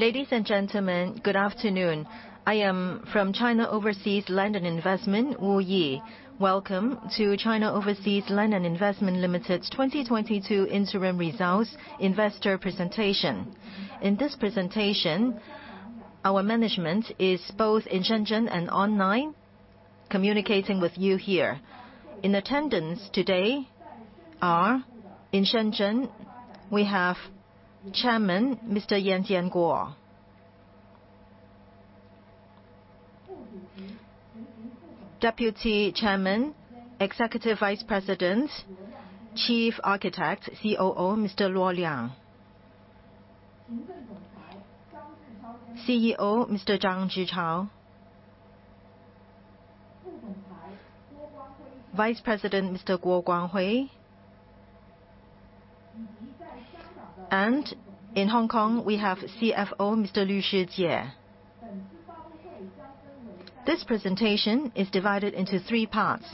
Ladies and gentlemen, good afternoon. I am from China Overseas Land & Investment, Wu Yi. Welcome to China Overseas Land & Investment Limited's 2022 Interim Results Investor Presentation. In this presentation, our management is both in Shenzhen and online, communicating with you here. In attendance today are in Shenzhen, we have Chairman, Mr. Yan Jianguo. Deputy Chairman, Executive Vice President, Chief Architect, COO, Mr. Luo Liang. CEO, Mr. Zhang Zhichao. Vice President, Mr. Guo Guanghui. In Hong Kong, we have CFO, Mr. Liu Zhijie. This presentation is divided into three parts.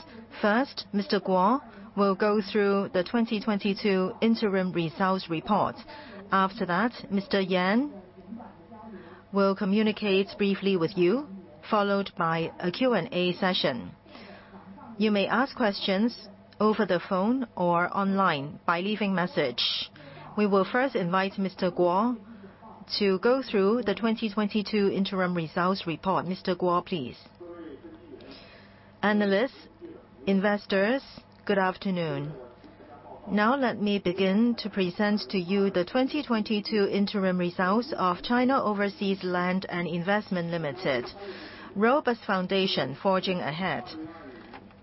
First, Mr. Guo will go through the 2022 interim results report. After that, Mr. Yan will communicate briefly with you, followed by a Q&A session. You may ask questions over the phone or online by leaving message. We will first invite Mr. Guo to go through the 2022 interim results report. Mr. Guo, please. Analysts, investors, good afternoon. Now let me begin to present to you the 2022 Interim Results of China Overseas Land & Investment Limited, robust foundation forging ahead.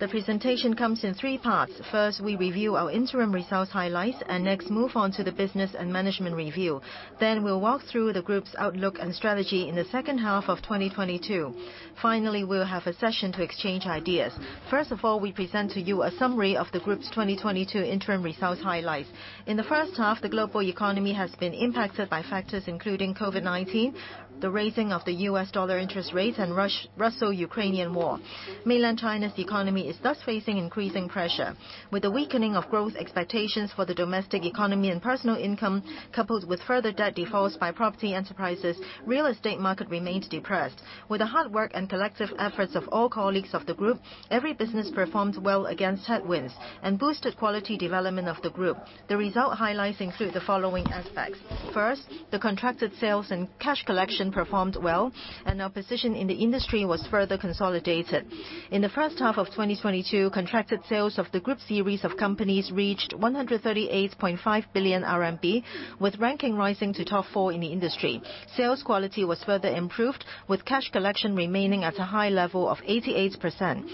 The presentation comes in three parts. First, we review our interim results highlights, and next, move on to the business and management review. Then we'll walk through the group's outlook and strategy in the second half of 2022. Finally, we'll have a session to exchange ideas. First of all, we present to you a summary of the group's 2022 interim results highlights. In the first half, the global economy has been impacted by factors including COVID-19, the raising of the U.S. dollar interest rates and Russian-Ukrainian war. Mainland China's economy is thus facing increasing pressure. With the weakening of growth expectations for the domestic economy and personal income, coupled with further debt defaults by property enterprises, real estate market remains depressed. With the hard work and collective efforts of all colleagues of the group, every business performed well against headwinds and boosted quality development of the group. The result highlights include the following aspects. First, the contracted sales and cash collection performed well, and our position in the industry was further consolidated. In the first half of 2022, contracted sales of the group series of companies reached 138.5 billion RMB, with ranking rising to top four in the industry. Sales quality was further improved, with cash collection remaining at a high level of 88%.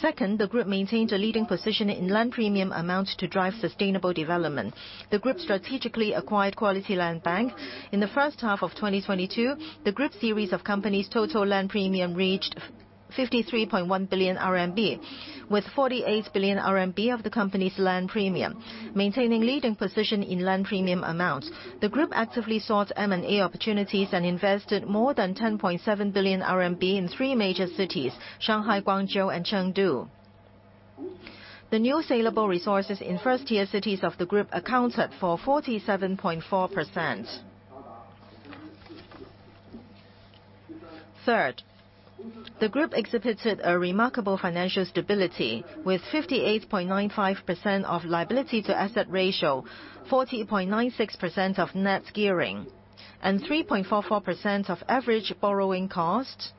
Second, the group maintained a leading position in land premium amounts to drive sustainable development. The group strategically acquired quality land bank. In the first half of 2022, the group series of companies' total land premium reached 53.1 billion RMB, with 48 billion RMB of the company's land premium, maintaining leading position in land premium amounts. The group actively sought M&A opportunities and invested more than 10.7 billion RMB in three major cities, Shanghai, Guangzhou and Chengdu. The new saleable resources in first-tier cities of the group accounted for 47.4%. Third, the group exhibited a remarkable financial stability, with 58.95% of liability to asset ratio, 40.96% of net gearing, and 3.44% of average borrowing cost,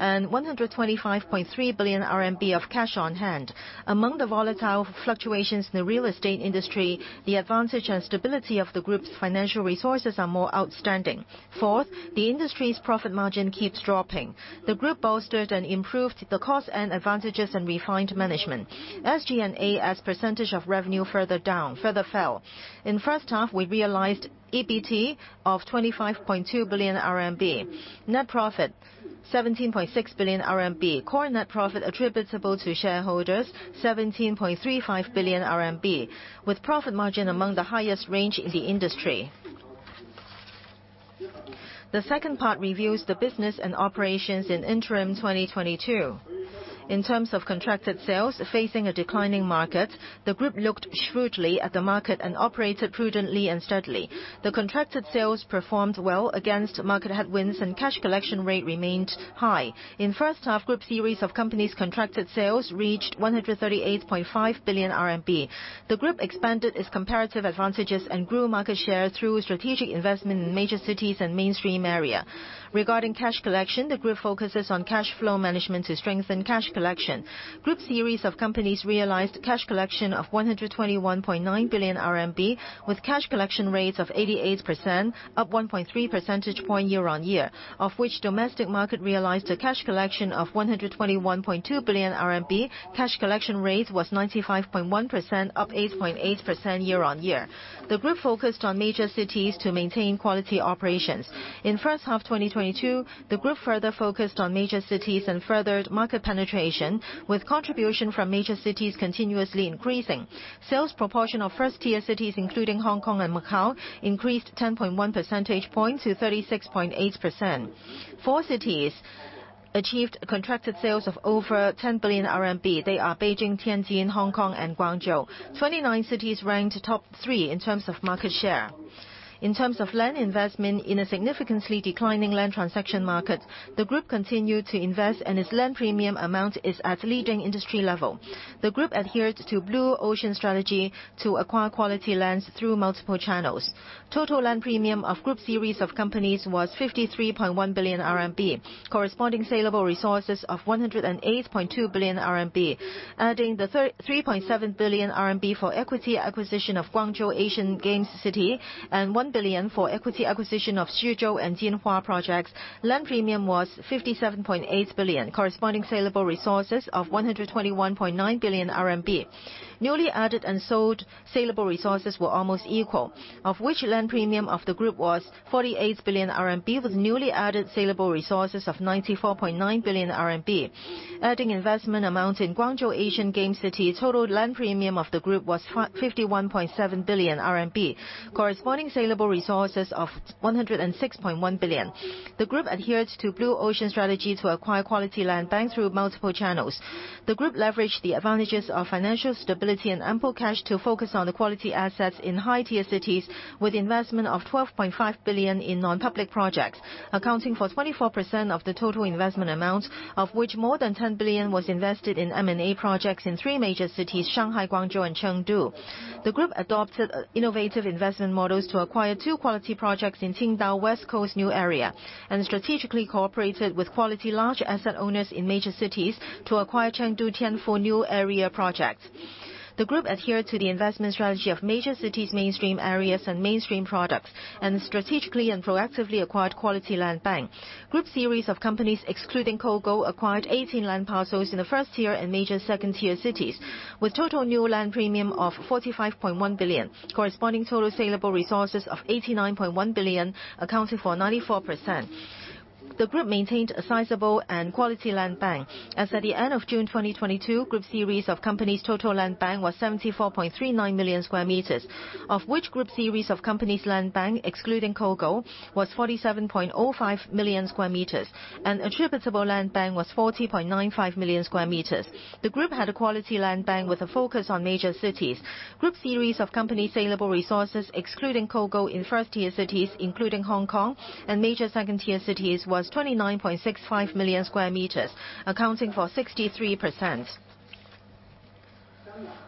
and 125.3 billion RMB of cash on hand. Among the volatile fluctuations in the real estate industry, the advantage and stability of the group's financial resources are more outstanding. Fourth, the industry's profit margin keeps dropping. The group bolstered and improved the cost and advantages and refined management. SG&A as percentage of revenue further down, further fell. In first half, we realized EBT of 25.2 billion RMB. Net profit, 17.6 billion RMB. Core net profit attributable to shareholders, 17.35 billion RMB, with profit margin among the highest range in the industry. The second part reviews the business and operations in interim 2022. In terms of contracted sales, facing a declining market, the group looked shrewdly at the market and operated prudently and steadily. The contracted sales performed well against market headwinds and cash collection rate remained high. In first half, group series of companies contracted sales reached 138.5 billion RMB. The group expanded its comparative advantages and grew market share through strategic investment in major cities and mainstream area. Regarding cash collection, the group focuses on cash flow management to strengthen cash collection. Group series of companies realized cash collection of 121.9 billion RMB, with cash collection rates of 88%, up 1.3 percentage points year-on-year. Of which domestic market realized a cash collection of 121.2 billion RMB. Cash collection rate was 95.1%, up 8.8% year-on-year. The group focused on major cities to maintain quality operations. In first half 2022, the group further focused on major cities and furthered market penetration, with contribution from major cities continuously increasing. Sales proportion of first-tier cities, including Hong Kong and Macau, increased 10.1 percentage point to 36.8%. 4 cities achieved contracted sales of over 10 billion RMB. They are Beijing, Tianjin, Hong Kong and Guangzhou. 29 cities ranked top three in terms of market share. In terms of land investment in a significantly declining land transaction market, the Group continued to invest and its land premium amount is at leading industry level. The Group adheres to Blue Ocean Strategy to acquire quality lands through multiple channels. Total land premium of Group series of companies was 53.1 billion RMB, corresponding saleable resources of 108.2 billion RMB. Adding the 3.7 billion RMB for equity acquisition of Guangzhou Asian Games City and one billion for equity acquisition of Xuzhou and Jinhua projects, land premium was 57.8 billion, corresponding saleable resources of 121.9 billion RMB. Newly added and sold saleable resources were almost equal, of which land premium of the Group was 48 billion RMB, with newly added saleable resources of 94.9 billion RMB. Adding investment amount in Guangzhou Asian Games City, total land premium of the Group was 51.7 billion RMB, corresponding saleable resources of 106.1 billion. The Group adheres to Blue Ocean Strategy to acquire quality land bank through multiple channels. The Group leveraged the advantages of financial stability and ample cash to focus on the quality assets in high-tier cities with investment of 12.5 billion in non-public projects, accounting for 24% of the total investment amount, of which more than 10 billion was invested in M&A projects in three major cities, Shanghai, Guangzhou and Chengdu. The Group adopted innovative investment models to acquire two quality projects in Qingdao West Coast New Area and strategically cooperated with quality large asset owners in major cities to acquire Chengdu Tianfu New Area project. The Group adhered to the investment strategy of major cities, mainstream areas and mainstream products, and strategically and proactively acquired quality land bank. Group series of companies excluding Grand Oceans acquired 18 land parcels in the first tier and major second-tier cities, with total new land premium of 45.1 billion, corresponding total saleable resources of 89.1 billion accounted for 94%. The Group maintained a sizable and quality land bank. As at the end of June 2022, Group series of companies' total land bank was 74.39 million sqm, of which Group series of companies' land bank excluding Grand Oceans was 47.05 million sqm and attributable land bank was 40.95 million sqm. The Group had a quality land bank with a focus on major cities. Group series of companies' saleable resources excluding Grand Oceans in first tier cities, including Hong Kong and major second-tier cities, was 29.65 million sqm, accounting for 63%.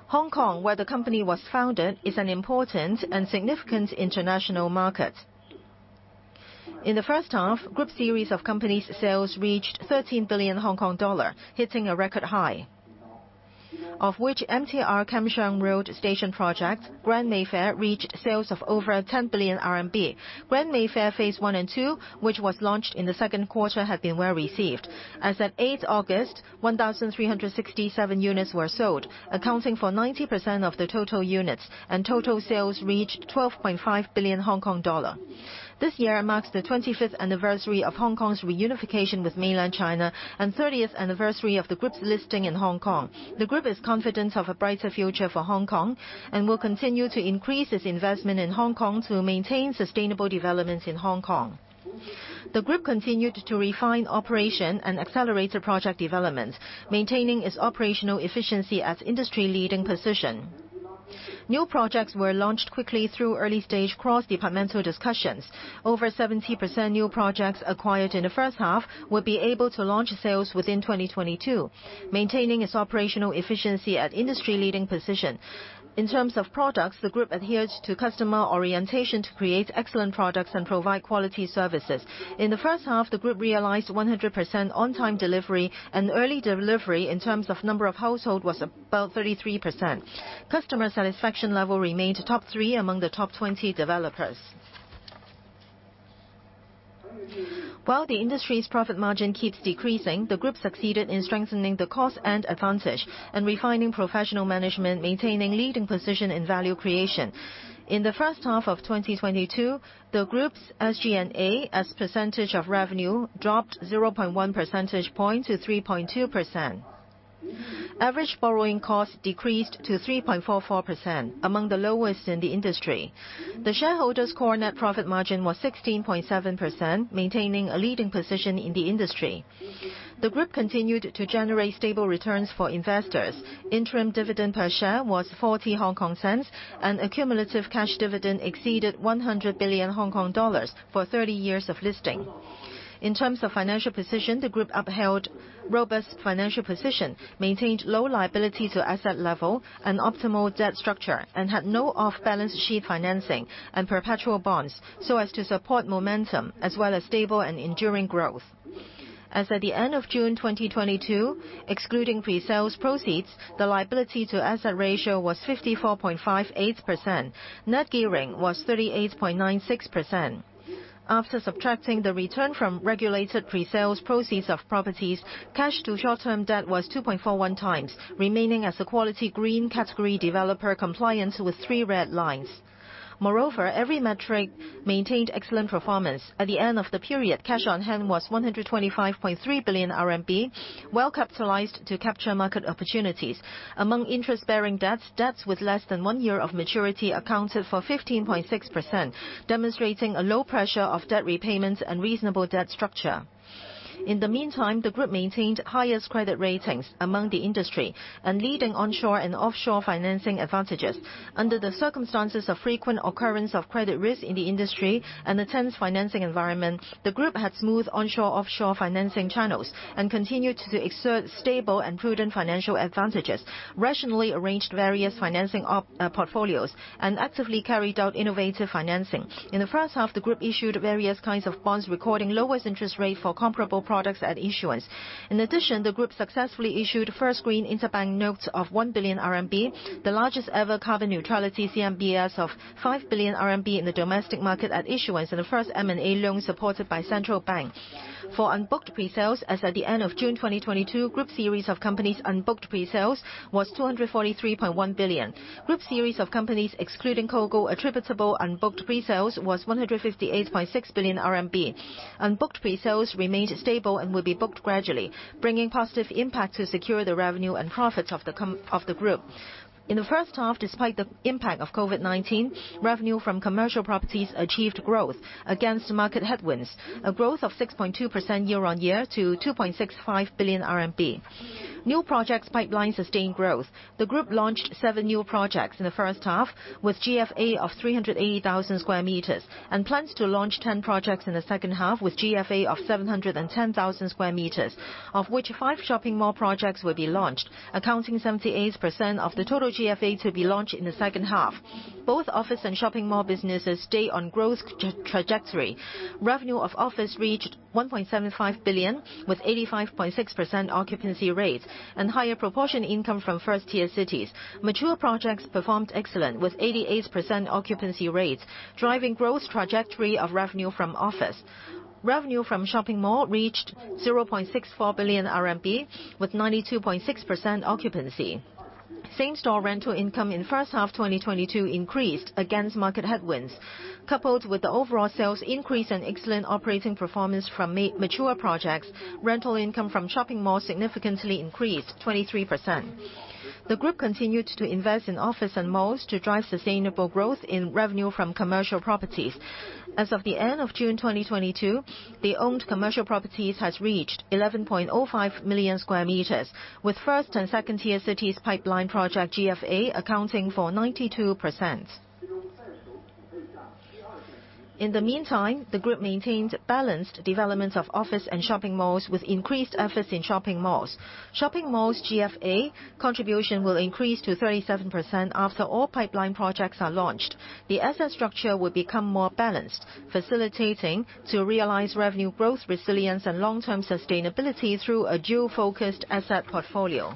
Hong Kong, where the company was founded, is an important and significant international market. In the first half, Group series of companies' sales reached 13 billion Hong Kong dollar, hitting a record high. Of which, Kam Sheung Road MTR station project, Grand Mayfair, reached sales of over 10 billion RMB. Grand Mayfair phase one and two, which was launched in the second quarter, had been well received. As at 8 August, 1,367 units were sold, accounting for 90% of the total units, and total sales reached 12.5 billion Hong Kong dollar. This year marks the 25th anniversary of Hong Kong's reunification with mainland China and 30th anniversary of the Group's listing in Hong Kong. The Group is confident of a brighter future for Hong Kong and will continue to increase its investment in Hong Kong to maintain sustainable developments in Hong Kong. The Group continued to refine operation and accelerate the project development, maintaining its operational efficiency at industry-leading position. New projects were launched quickly through early stage cross-departmental discussions. Over 70% new projects acquired in the first half will be able to launch sales within 2022, maintaining its operational efficiency at industry-leading position. In terms of products, the Group adheres to customer orientation to create excellent products and provide quality services. In the first half, the Group realized 100% on-time delivery and early delivery in terms of number of households was about 33%. Customer satisfaction level remained top three among the top 20 developers. While the industry's profit margin keeps decreasing, the Group succeeded in strengthening the cost advantage and refining professional management, maintaining leading position in value creation. In the first half of 2022, the Group's SG&A, as percentage of revenue, dropped 0.1 percentage point to 3.2%. Average borrowing cost decreased to 3.44%, among the lowest in the industry. The shareholders' core net profit margin was 16.7%, maintaining a leading position in the industry. The Group continued to generate stable returns for investors. Interim dividend per share was 0.40, and accumulative cash dividend exceeded 100 billion Hong Kong dollars for 30 years of listing. In terms of financial position, the Group upheld robust financial position, maintained low liability to asset level and optimal debt structure, and had no off-balance sheet financing and perpetual bonds, so as to support momentum as well as stable and enduring growth. As at the end of June 2022, excluding pre-sales proceeds, the Liability to Asset Ratio was 54.58%. Net Gearing was 38.96%. After subtracting the return from regulated pre-sales proceeds of properties, Cash to Short-Term Debt Ratio was 2.41x, remaining as a quality green category developer compliance with Three Red Lines. Moreover, every metric maintained excellent performance. At the end of the period, cash on hand was 125.3 billion RMB, well-capitalized to capture market opportunities. Among interest-bearing debts with less than one year of maturity accounted for 15.6%, demonstrating a low pressure of debt repayments and reasonable debt structure. In the meantime, the group maintained highest credit ratings among the industry and leading onshore and offshore financing advantages. Under the circumstances of frequent occurrence of credit risk in the industry and intense financing environment, the group had smooth onshore, offshore financing channels and continued to exert stable and prudent financial advantages, rationally arranged various financing portfolios, and actively carried out innovative financing. In the first half, the group issued various kinds of bonds, recording lowest interest rate for comparable products at issuance. In addition, the group successfully issued first Green Interbank Notes of 1 billion RMB, the largest-ever Carbon Neutrality CMBS of 5 billion RMB in the domestic market at issuance of the first M&A Loan supported by central bank. For unbooked pre-sales, as at the end of June 2022, group series of companies unbooked pre-sales was 243.1 billion. Group series of companies excluding Grand Oceans attributable unbooked pre-sales was 158.6 billion RMB. Unbooked pre-sales remained stable and will be booked gradually, bringing positive impact to secure the revenue and profits of the group. In the first half, despite the impact of COVID-19, revenue from commercial properties achieved growth against market headwinds, a growth of 6.2% year-on-year to 2.65 billion RMB. New projects pipeline sustained growth. The group launched seven new projects in the first half, with GFA of 380,000 sqm, and plans to launch 10 projects in the second half with GFA of 710,000 sqm, of which five shopping mall projects will be launched, accounting 78% of the total GFA to be launched in the second half. Both office and shopping mall businesses stay on growth trajectory. Revenue of office reached 1.75 billion, with 85.6% occupancy rates and higher proportion income from first-tier cities. Mature projects performed excellent with 88% occupancy rates, driving growth trajectory of revenue from office. Revenue from shopping mall reached 0.64 billion RMB with 92.6% occupancy. Same-store rental income in first half 2022 increased against market headwinds. Coupled with the overall sales increase and excellent operating performance from mature projects, rental income from shopping malls significantly increased 23%. The group continued to invest in office and malls to drive sustainable growth in revenue from commercial properties. As of the end of June 2022, the owned commercial properties has reached 11.05 million sqm, with first and second-tier cities pipeline project GFA accounting for 92%. In the meantime, the group maintains balanced development of office and shopping malls with increased efforts in shopping malls. Shopping malls GFA contribution will increase to 37% after all pipeline projects are launched. The asset structure will become more balanced, facilitating to realize revenue growth, resilience, and long-term sustainability through a dual-focused asset portfolio.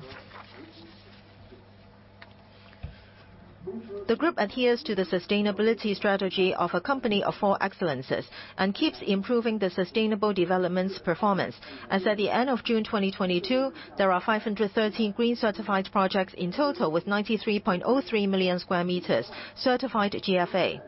The group adheres to the sustainability strategy of a Company of Four Excellences and keeps improving the sustainable development's performance. As at the end of June 2022, there are 513 green certified projects in total, with 93.03 million sqm certified GFA.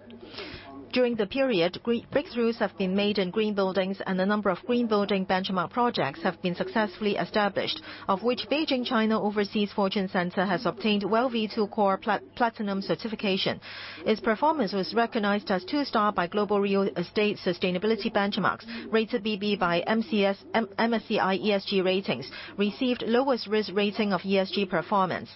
During the period, breakthroughs have been made in green buildings and a number of green building benchmark projects have been successfully established, of which Beijing China Overseas Fortune Center has obtained WELL v2 Core Platinum certification. Its performance was recognized as two-star by Global Real Estate Sustainability Benchmark, rated BB by MSCI ESG Ratings, received lowest risk rating of ESG performance,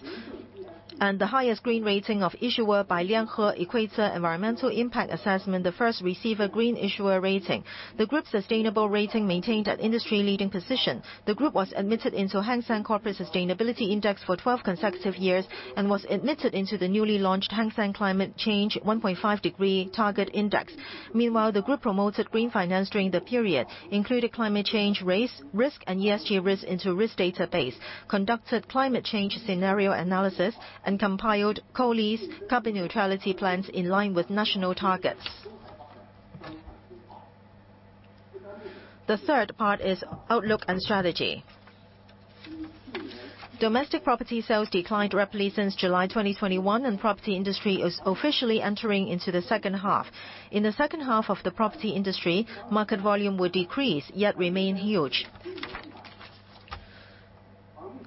and the highest green rating of issuer by Lianhe Equator Environmental Impact Assessment, the first receiver green issuer rating. The group's sustainable rating maintained an industry-leading position. The group was admitted into Hang Seng Corporate Sustainability Index for 12 consecutive years and was admitted into the newly launched Hang Seng Climate Change 1.5°C Target Index. Meanwhile, the group promoted green finance during the period, including climate change risk and ESG risk into risk database, conducted climate change scenario analysis, and compiled COLI's carbon neutrality plans in line with national targets. The third part is outlook and strategy. Domestic property sales declined rapidly since July 2021, and property industry is officially entering into the second half. In the second half of the property industry, market volume will decrease, yet remain huge.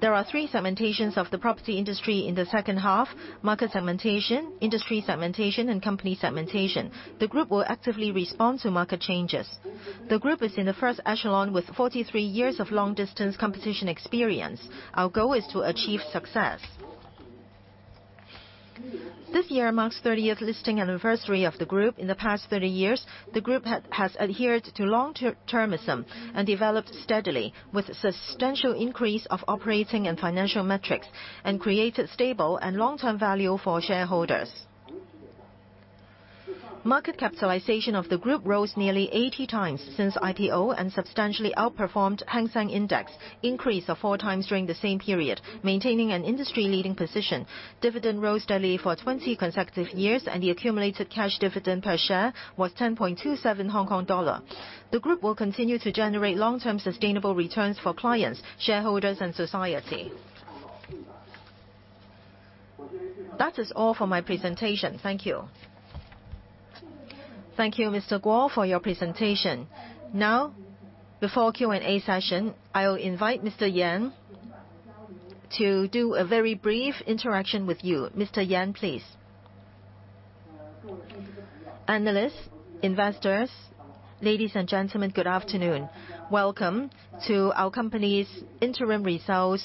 There are three segmentations of the property industry in the second half: market segmentation, industry segmentation, and company segmentation. The group will actively respond to market changes. The group is in the first echelon with 43 years of long-distance competition experience. Our goal is to achieve success. This year marks 30th listing anniversary of the group. In the past 30 years, the group has adhered to long-termism and developed steadily with substantial increase of operating and financial metrics and created stable and long-term value for shareholders. Market capitalization of the group rose nearly 80x since IPO and substantially outperformed Hang Seng Index increase of 4x during the same period, maintaining an industry-leading position. Dividend rose steadily for 20 consecutive years, and the accumulated cash dividend per share was 10.27 Hong Kong dollar. The group will continue to generate long-term sustainable returns for clients, shareholders, and society. That is all for my presentation. Thank you. Thank you, Mr. Guo, for your presentation. Now, before Q&A session, I'll invite Mr. Yan to do a very brief interaction with you. Mr. Yan, please. Analysts, investors, ladies and gentlemen, good afternoon. Welcome to our company's interim results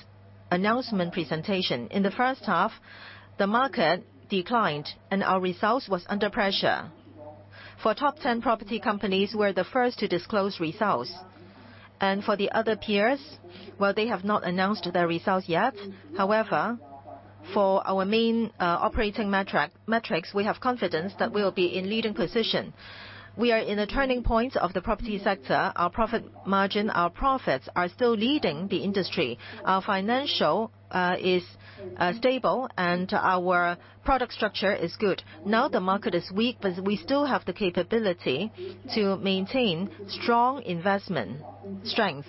announcement presentation. In the first half, the market declined, and our results was under pressure. For top 10 property companies, we're the first to disclose results. For the other peers, well, they have not announced their results yet. However, for our main operating metrics, we have confidence that we'll be in leading position. We are in a turning point of the property sector. Our profit margin, our profits are still leading the industry. Our financials are stable, and our product structure is good. Now the market is weak, but we still have the capability to maintain strong investment strength,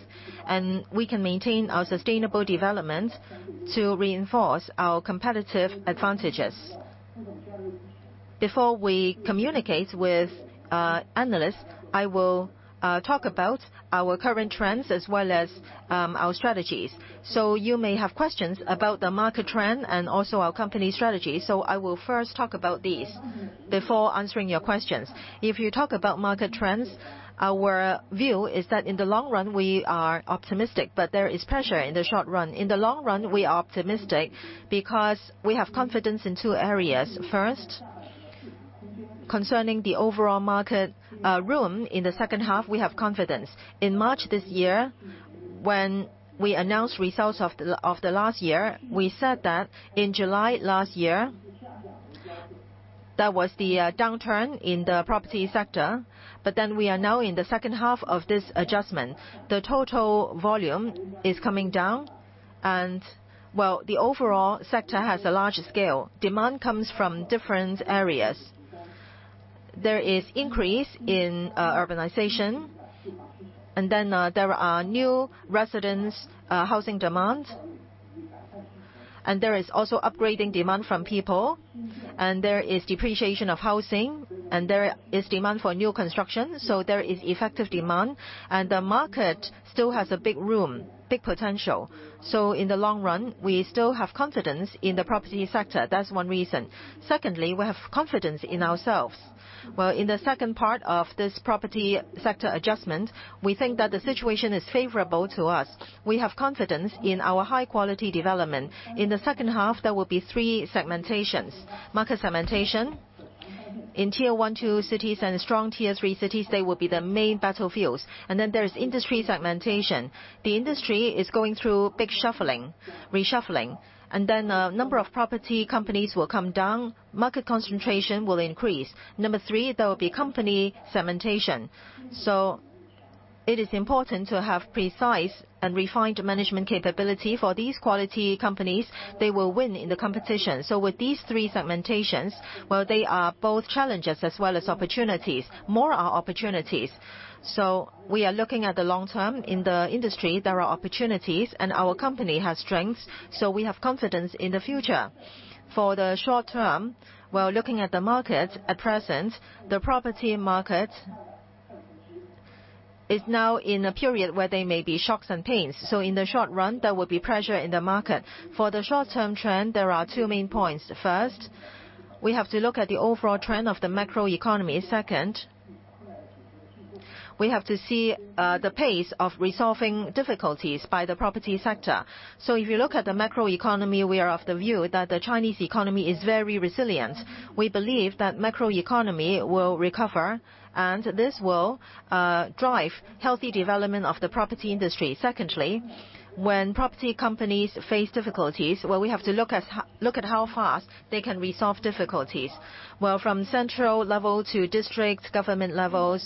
and we can maintain our sustainable development to reinforce our competitive advantages. Before we communicate with analysts, I will talk about our current trends as well as our strategies. You may have questions about the market trend and also our company strategy. I will first talk about these before answering your questions. If we talk about market trends, our view is that in the long run, we are optimistic, but there is pressure in the short run. In the long run, we are optimistic because we have confidence in two areas. First, concerning the overall market room in the second half, we have confidence. In March this year, when we announced results of the last year, we said that in July last year, that was the downturn in the property sector. We are now in the second half of this adjustment. The total volume is coming down and, well, the overall sector has a large scale. Demand comes from different areas. There is increase in urbanization, and then there are new residents housing demand. There is also upgrading demand from people, and there is depreciation of housing, and there is demand for new construction, so there is effective demand. The market still has a big room, big potential. In the long run, we still have confidence in the property sector. That's one reason. Secondly, we have confidence in ourselves. Well, in the second part of this property sector adjustment, we think that the situation is favorable to us. We have confidence in our high quality development. In the second half, there will be three segmentations. Market segmentation in Tier 1, 2 cities and strong Tier 3 cities, they will be the main battlefields. There is industry segmentation. The industry is going through big shuffling, reshuffling. Number of property companies will come down. Market concentration will increase. Number three, there will be company segmentation. It is important to have precise and refined management capability for these quality companies. They will win in the competition. With these three segmentations, well, they are both challenges as well as opportunities. More are opportunities. We are looking at the long term. In the industry, there are opportunities, and our company has strengths, so we have confidence in the future. For the short term, well, looking at the market at present, the property market is now in a period where there may be shocks and pains. In the short run, there will be pressure in the market. For the short term trend, there are two main points. First, we have to look at the overall trend of the macro economy. Second, we have to see the pace of resolving difficulties by the property sector. If you look at the macro economy, we are of the view that the Chinese economy is very resilient. We believe that macro economy will recover, and this will drive healthy development of the property industry. Secondly, when property companies face difficulties, well, we have to look at how fast they can resolve difficulties. Well, from central level to district government levels,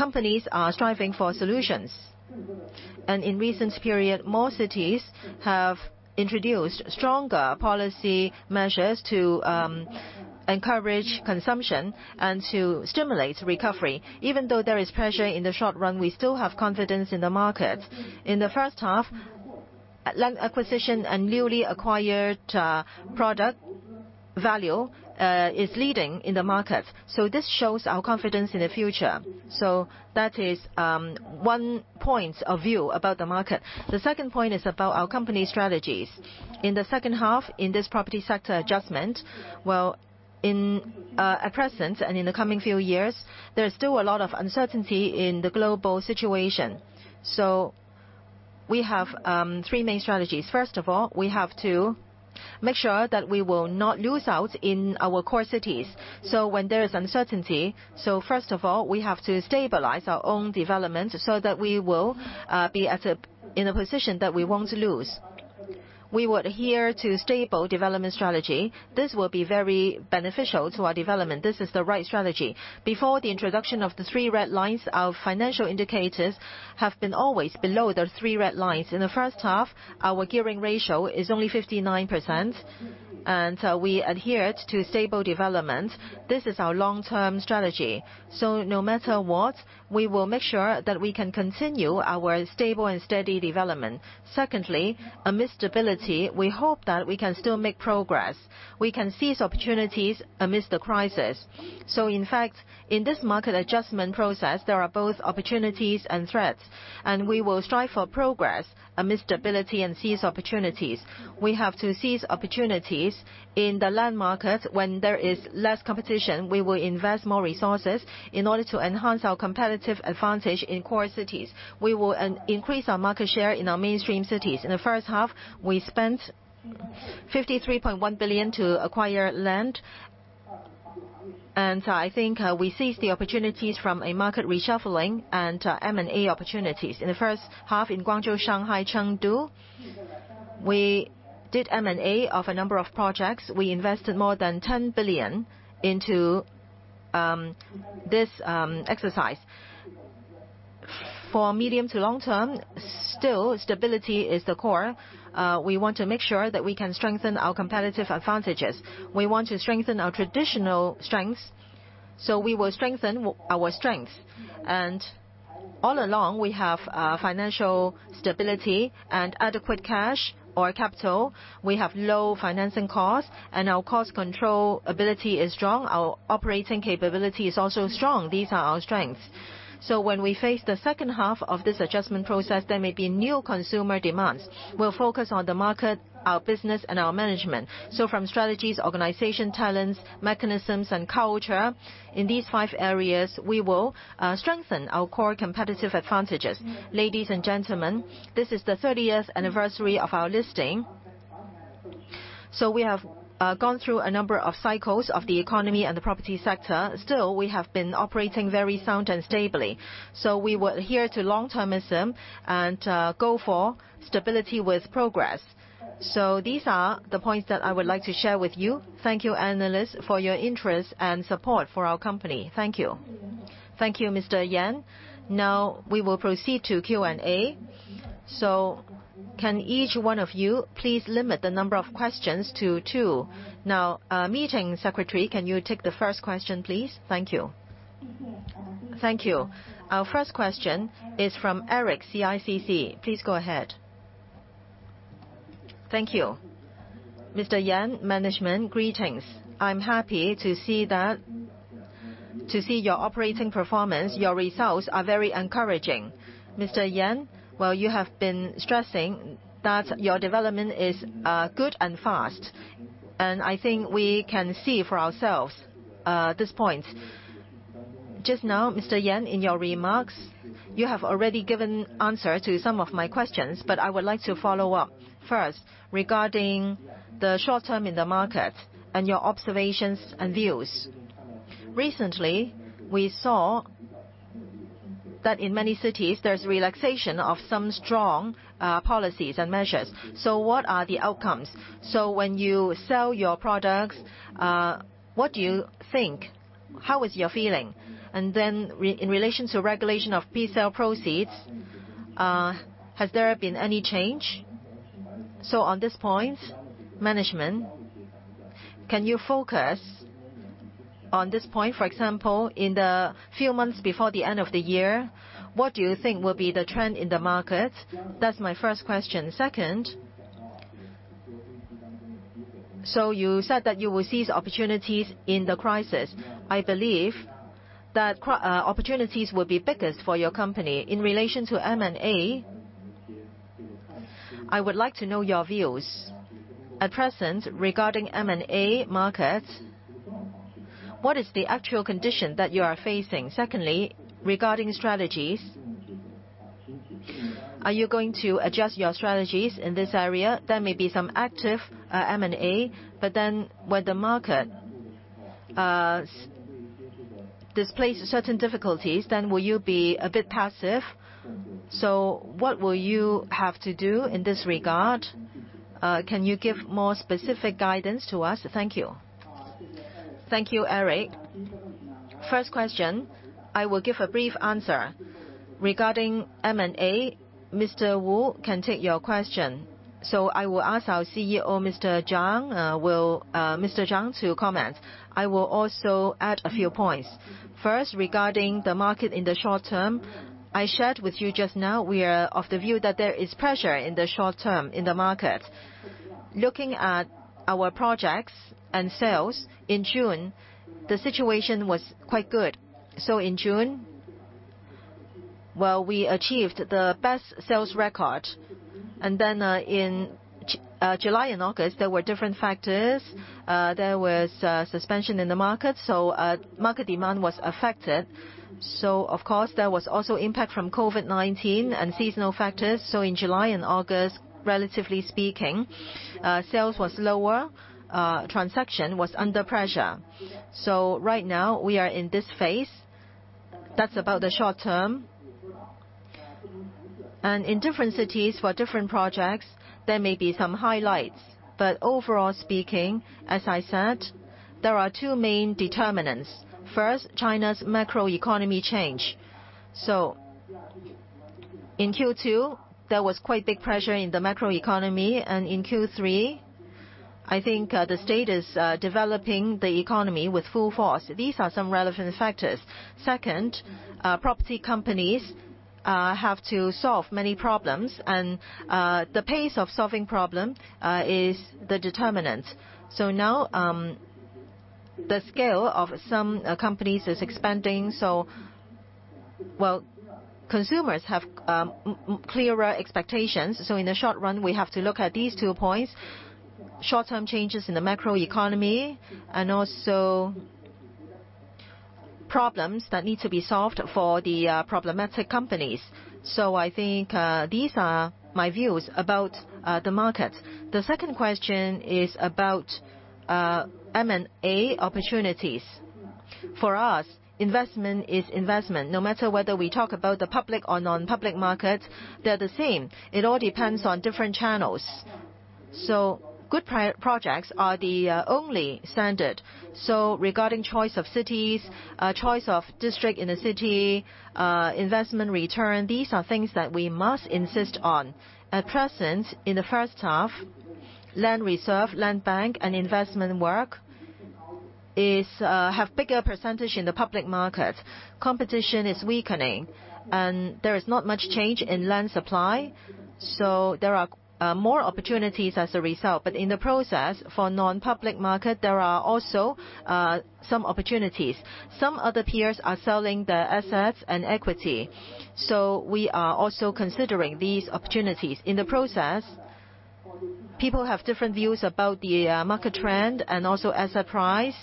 companies are striving for solutions. In recent period, more cities have introduced stronger policy measures to encourage consumption and to stimulate recovery. Even though there is pressure in the short run, we still have confidence in the market. In the first half, land acquisition and newly acquired product value is leading in the market. This shows our confidence in the future. That is one point of view about the market. The second point is about our company strategies. In the second half, in this property sector adjustment, well, at present and in the coming few years, there is still a lot of uncertainty in the global situation. We have three main strategies. First of all, we have to make sure that we will not lose out in our core cities. When there is uncertainty, first of all, we have to stabilize our own development so that we will be in a position that we won't lose. We would adhere to stable development strategy. This will be very beneficial to our development. This is the right strategy. Before the introduction of the Three Red Lines, our financial indicators have been always below the Three Red Lines. In the first half, our gearing ratio is only 59%, and we adhered to stable development. This is our long-term strategy. No matter what, we will make sure that we can continue our stable and steady development. Secondly, amid stability, we hope that we can still make progress. We can seize opportunities amidst the crisis. In fact, in this market adjustment process, there are both opportunities and threats, and we will strive for progress amidst stability and seize opportunities. We have to seize opportunities in the land market. When there is less competition, we will invest more resources in order to enhance our competitive advantage in core cities. We will increase our market share in our mainstream cities. In the first half, we spent 53.1 billion to acquire land. I think we seized the opportunities from a market reshuffling and M&A opportunities. In the first half in Guangzhou, Shanghai, Chengdu, we did M&A of a number of projects. We invested more than 10 billion into this exercise. For medium to long term, still stability is the core. We want to make sure that we can strengthen our competitive advantages. We want to strengthen our traditional strengths, so we will strengthen our strength. All along, we have financial stability and adequate cash or capital. We have low financing costs, and our cost control ability is strong. Our operating capability is also strong. These are our strengths. When we face the second half of this adjustment process, there may be new consumer demands. We'll focus on the market, our business, and our management. From strategies, organization, talents, mechanisms, and culture, in these five areas, we will strengthen our core competitive advantages. Ladies and gentlemen, this is the 30th anniversary of our listing. We have gone through a number of cycles of the economy and the property sector. Still, we have been operating very sound and stably. We would adhere to long-termism and go for stability with progress. These are the points that I would like to share with you. Thank you, analysts, for your interest and support for our company. Thank you. Thank you, Mr. Yan. Now we will proceed to Q&A. Can each one of you please limit the number of questions to two. Now, meeting secretary, can you take the first question, please? Thank you. Thank you. Our first question is from Eric, CICC. Please go ahead. Thank you. Mr. Yan, management, greetings. I'm happy to see your operating performance. Your results are very encouraging. Mr. Yan, while you have been stressing that your development is good and fast, and I think we can see for ourselves this point. Just now, Mr. Yan, in your remarks, you have already given answer to some of my questions, but I would like to follow up. First, regarding the short term in the market and your observations and views. Recently, we saw that in many cities there's relaxation of some strong policies and measures. What are the outcomes? When you sell your products, what do you think? How is your feeling? And then in relation to regulation of presale proceeds, has there been any change? On this point, management, can you focus on this point? For example, in the few months before the end of the year, what do you think will be the trend in the market? That's my first question. Second, you said that you will seize opportunities in the crisis. I believe that opportunities will be biggest for your company. In relation to M&A, I would like to know your views. At present, regarding M&A market, what is the actual condition that you are facing? Secondly, regarding strategies, are you going to adjust your strategies in this area? There may be some active M&A, but then when the market displays certain difficulties, then will you be a bit passive? So what will you have to do in this regard? Can you give more specific guidance to us? Thank you. Thank you, Eric. First question, I will give a brief answer. Regarding M&A, Mr. Wu can take your question. So I will ask our CEO, Mr. Zhang, to comment. I will also add a few points. First, regarding the market in the short term, I shared with you just now, we are of the view that there is pressure in the short term in the market. Looking at our projects and sales in June, the situation was quite good. In June, well, we achieved the best sales record. In July and August, there were different factors. There was suspension in the market, so market demand was affected. Of course, there was also impact from COVID-19 and seasonal factors. In July and August, relatively speaking, sales was lower, transaction was under pressure. Right now we are in this phase. That's about the short term. In different cities for different projects, there may be some highlights. Overall speaking, as I said, there are two main determinants. First, China's macro economy change. In Q2, there was quite big pressure in the macro economy, and in Q3, I think, the state is developing the economy with full force. These are some relevant factors. Second, property companies have to solve many problems, and the pace of solving problem is the determinant. Now, the scale of some companies is expanding. Well, consumers have much clearer expectations, in the short run, we have to look at these two points, short-term changes in the macro economy and also problems that need to be solved for the problematic companies. I think, these are my views about the market. The second question is about M&A opportunities. For us, investment is investment. No matter whether we talk about the public or non-public markets, they're the same. It all depends on different channels. Good prime projects are the only standard. Regarding choice of cities, choice of district in a city, investment return, these are things that we must insist on. At present, in the first half, land reserve, land bank, and investment work is to have bigger percentage in the public market. Competition is weakening, and there is not much change in land supply, so there are more opportunities as a result. In the process, for non-public market, there are also some opportunities. Some other peers are selling their assets and equity. We are also considering these opportunities. In the process, people have different views about the market trend and also asset price.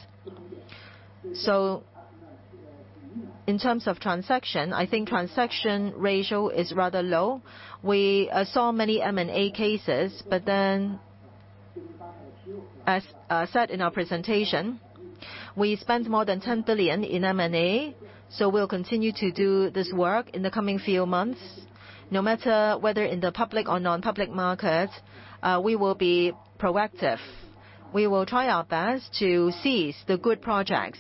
In terms of transaction, I think transaction ratio is rather low. We saw many M&A cases, but then as said in our presentation, we spent more than 10 billion in M&A, so we'll continue to do this work in the coming few months. No matter whether in the public or non-public market, we will be proactive. We will try our best to seize the good projects.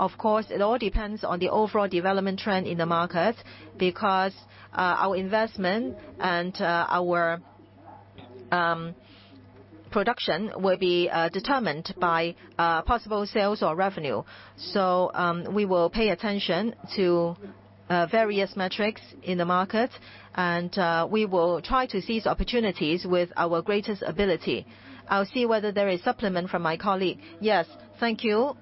Of course, it all depends on the overall development trend in the market because our investment and our production will be determined by possible sales or revenue. We will pay attention to various metrics in the market and we will try to seize opportunities with our greatest ability. I'll see whether there is supplement from my colleague. Yes. Thank you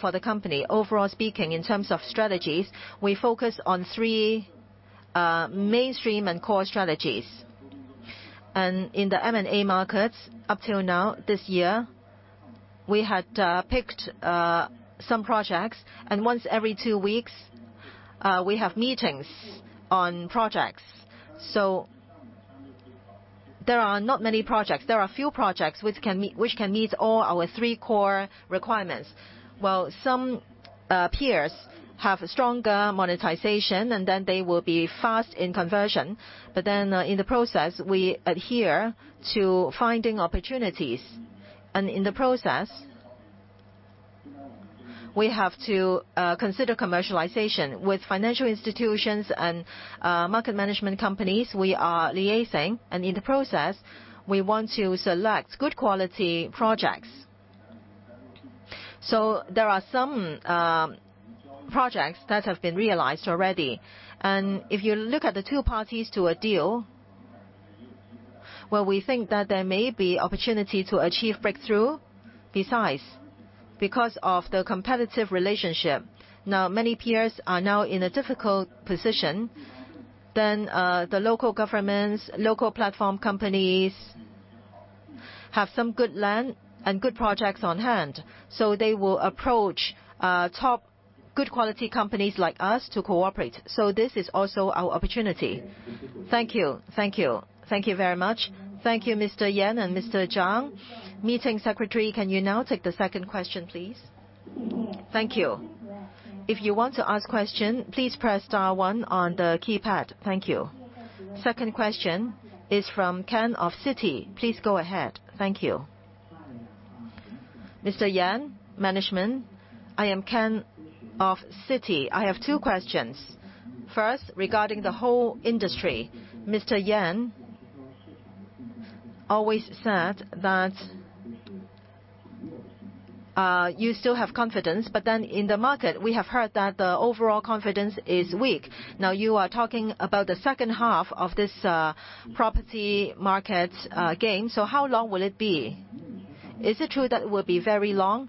for the company. Overall speaking, in terms of strategies, we focus on three mainstream and core strategies. In the M&A markets up till now, this year, we had picked some projects, and once every two weeks we have meetings on projects. There are not many projects. There are few projects which can meet all our three core requirements. While some peers have stronger monetization, and then they will be fast in conversion. In the process, we adhere to finding opportunities, and in the process, we have to consider commercialization. With financial institutions and market management companies, we are liaising, and in the process, we want to select good quality projects. There are some projects that have been realized already. If you look at the two parties to a deal, well, we think that there may be opportunity to achieve breakthrough. Besides, because of the competitive relationship, now many peers are now in a difficult position. The local governments, local platform companies have some good land and good projects on hand, so they will approach, top good quality companies like us to cooperate. So this is also our opportunity. Thank you. Thank you. Thank you very much. Thank you, Mr. Yan and Mr. Zhang. Meeting secretary, can you now take the second question, please? Thank you. If you want to ask question, please press star one on the keypad. Thank you. Second question is from Ken of Citi. Please go ahead. Thank you. Mr. Yan, management, I am Ken of Citi. I have two questions. First, regarding the whole industry. Mr. Yan always said that, you still have confidence, but then in the market, we have heard that the overall confidence is weak. You are talking about the second half of this property market gain, so how long will it be? Is it true that it will be very long?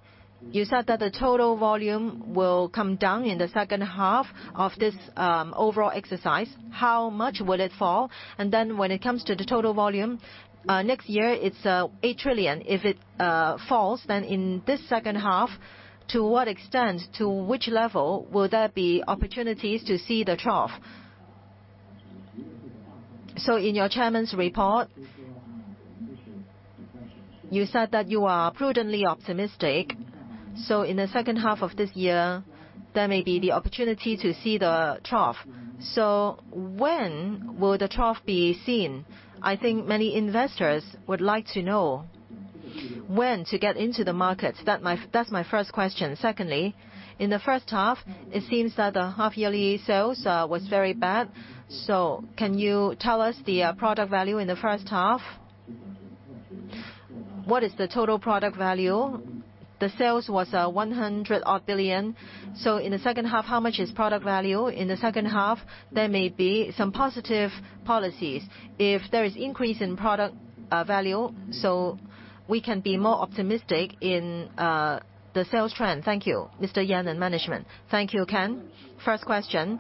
You said that the total volume will come down in the second half of this overall exercise. How much will it fall? When it comes to the total volume next year, it's 8 trillion. If it falls, then in this second half, to what extent, to which level will there be opportunities to see the trough? In your chairman's report, you said that you are prudently optimistic. In the second half of this year, there may be the opportunity to see the trough. When will the trough be seen? I think many investors would like to know when to get into the market. That's my first question. Secondly, in the first half, it seems that the half-yearly sales was very bad. Can you tell us the product value in the first half? What is the total product value? The sales was 100-odd billion. In the second half, how much is product value? In the second half, there may be some positive policies. If there is increase in product value, so we can be more optimistic in the sales trend. Thank you, Mr. Yan and management. Thank you, Ken. First question,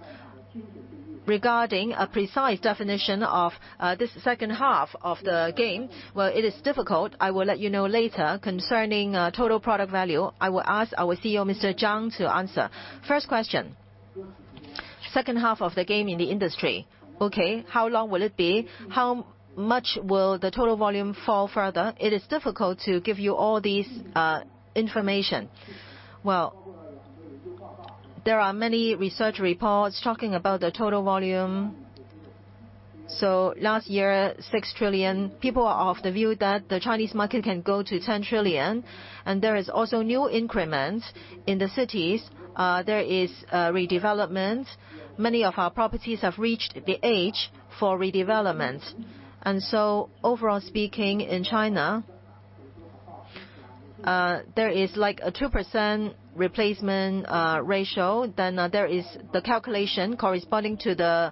regarding a precise definition of this second half of the game, well, it is difficult. I will let you know later concerning total product value. I will ask our CEO, Mr. Zhang, to answer. First question, second half of the game in the industry. Okay, how long will it be? How much will the total volume fall further? It is difficult to give you all these, information. Well, there are many research reports talking about the total volume. Last year, 6 trillion. People are of the view that the Chinese market can go to 10 trillion, and there is also new increments. In the cities, there is redevelopment. Many of our properties have reached the age for redevelopment. Overall speaking, in China, there is like a 2% replacement ratio. There is the calculation corresponding to the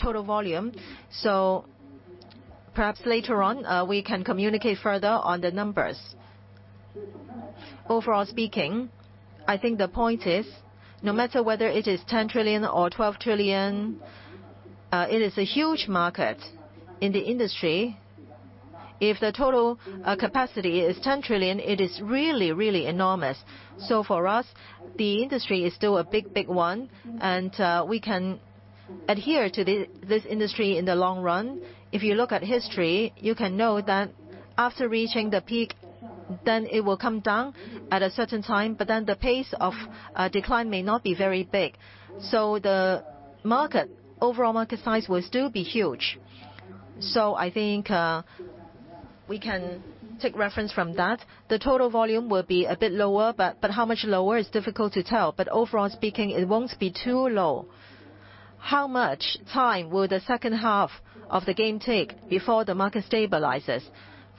total volume. Perhaps later on, we can communicate further on the numbers. Overall speaking, I think the point is, no matter whether it is 10 trillion or 12 trillion, it is a huge market in the industry. If the total capacity is 10 trillion, it is really, really enormous. For us, the industry is still a big, big one, and we can adhere to this industry in the long run. If you look at history, you can know that after reaching the peak, then it will come down at a certain time, but then the pace of decline may not be very big. The market, overall market size will still be huge. I think we can take reference from that. The total volume will be a bit lower, but how much lower is difficult to tell. Overall speaking, it won't be too low. How much time will the second half of the game take before the market stabilizes?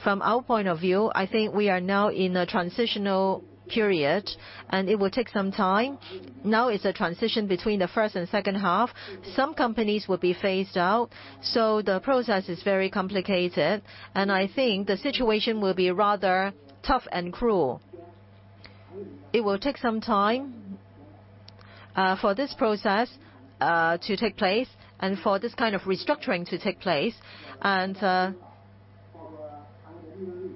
From our point of view, I think we are now in a transitional period, and it will take some time. Now it's a transition between the first and second half. Some companies will be phased out, so the process is very complicated, and I think the situation will be rather tough and cruel. It will take some time for this process to take place and for this kind of restructuring to take place.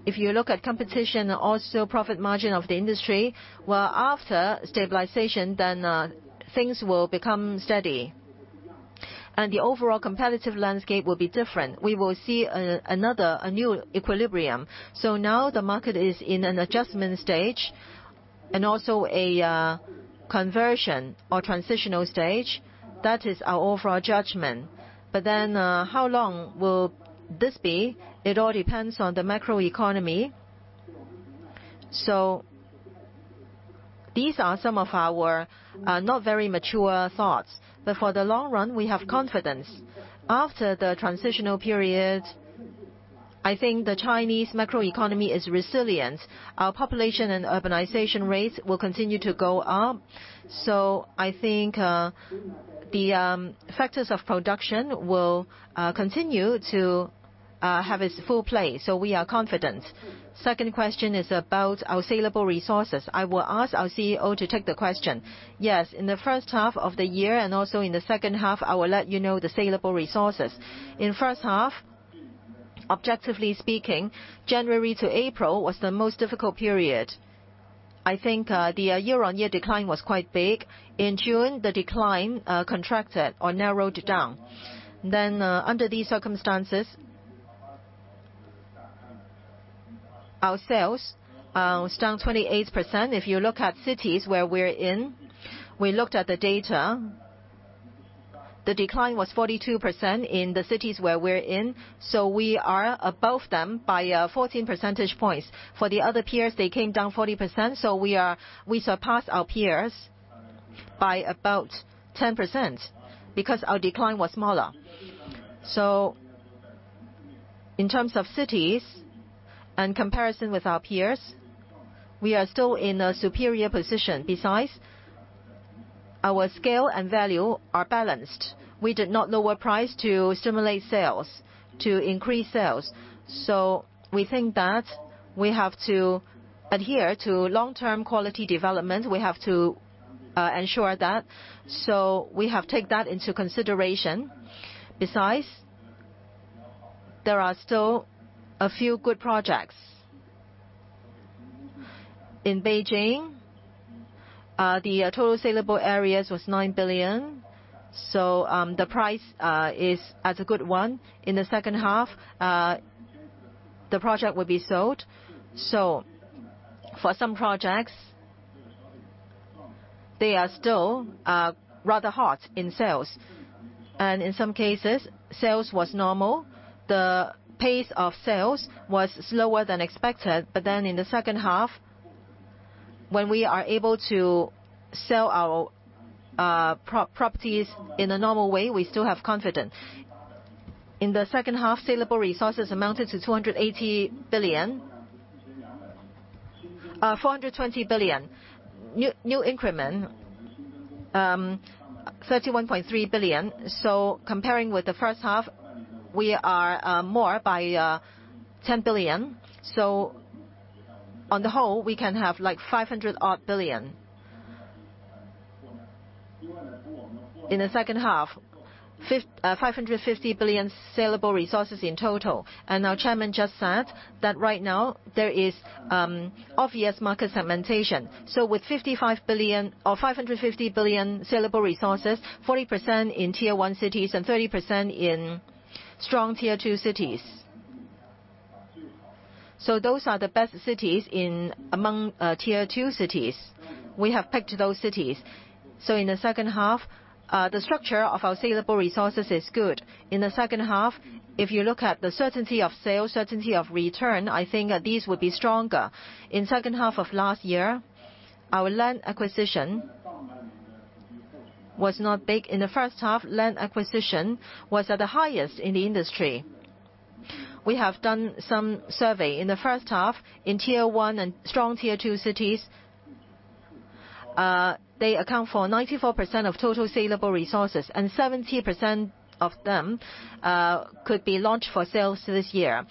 If you look at competition, also profit margin of the industry, well, after stabilization, things will become steady. The overall competitive landscape will be different. We will see another new equilibrium. Now the market is in an adjustment stage and also a conversion or transitional stage. That is our overall judgment. How long will this be? It all depends on the macro economy. These are some of our not very mature thoughts. For the long run, we have confidence. After the transitional period, I think the Chinese macro economy is resilient. Our population and urbanization rates will continue to go up. I think the factors of production will continue to have its full play, so we are confident. Second question is about our saleable resources. I will ask our CEO to take the question. Yes. In the first half of the year and also in the second half, I will let you know the saleable resources. In first half, objectively speaking, January to April was the most difficult period. I think the year-on-year decline was quite big. In June, the decline contracted or narrowed down. Under these circumstances, our sales was down 28%. If you look at cities where we're in, we looked at the data. The decline was 42% in the cities where we're in, so we are above them by 14 percentage points. For the other peers, they came down 40%, so we surpassed our peers by about 10% because our decline was smaller. In terms of cities and comparison with our peers, we are still in a superior position. Besides, our scale and value are balanced. We did not lower price to stimulate sales, to increase sales. We think that we have to adhere to long-term quality development. We have to ensure that. We have take that into consideration. Besides, there are still a few good projects. In Beijing, the total saleable areas was 9 billion. The price is at a good one. In the second half, the project will be sold. For some projects, they are still rather hot in sales. In some cases, sales was normal. The pace of sales was slower than expected. In the second half, when we are able to sell our properties in a normal way, we still have confidence. In the second half, saleable resources amounted to 420 billion. New increment, 31.3 billion. Comparing with the first half, we are more by 10 billion. On the whole, we can have like 500 odd billion. In the second half, 550 billion saleable resources in total. Our chairman just said that right now there is obvious market segmentation. With 55 billion or 550 billion saleable resources, 40% in Tier 1 cities and 30% in strong Tier 2 cities. Those are the best cities among Tier 2 cities. We have picked those cities. In the second half, the structure of our saleable resources is good. In the second half, if you look at the certainty of sale, certainty of return, I think these would be stronger. In second half of last year, our land acquisition was not big. In the first half, land acquisition was at the highest in the industry. We have done some survey. In the first half in Tier 1 and strong Tier 2 cities, they account for 94% of total saleable resources, and 70% of them could be launched for sales this year.